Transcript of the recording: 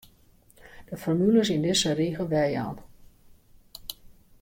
De formules yn dizze rige werjaan.